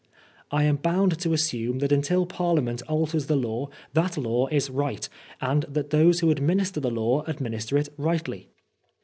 1 am bound to assume that until Parliament alters the law that law is right, and that those who administer the law administer it rightly.